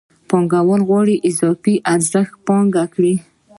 یو پانګوال غواړي چې اضافي ارزښت پانګه کړي